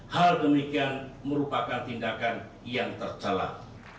hal demikian merupakan tindakan yang tercelah